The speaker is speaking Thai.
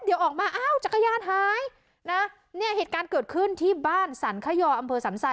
เดี๋ยวออกมาอ้าวจักรยานหายนะเนี่ยเหตุการณ์เกิดขึ้นที่บ้านสรรขยออำเภอสันทราย